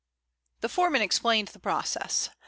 The foreman explained the process.